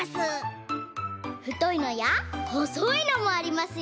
ふといのやほそいのもありますよ。